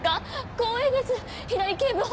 光栄です平井警部補！